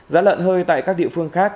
giá lợn hơi tại các địa phương khác